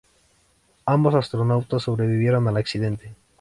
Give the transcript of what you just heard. Ambos astronautas sobrevivieron al accidente.